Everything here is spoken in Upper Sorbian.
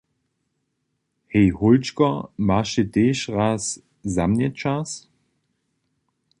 Hej hólčko, maš ty tež raz za mnje čas?